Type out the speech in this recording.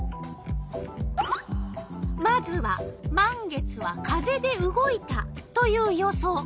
まずは「満月は風で動いた」という予想。